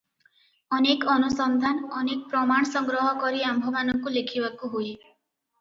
ଅନେକ ଅନୁସନ୍ଧାନ, ଅନେକ ପ୍ରମାଣ ସଂଗ୍ରହ କରି ଆମ୍ଭମାନଙ୍କୁ ଲେଖିବାକୁ ହୁଏ ।